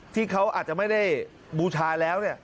ที่เขาอาจจะไม่ได้บูชาแล้ว